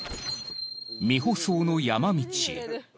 未舗装の山道へ。